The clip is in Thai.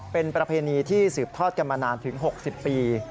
เป็นประเพณีที่สืบทอดกันมานานถึง๖๐ปี